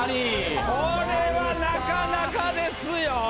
これはなかなかですよ。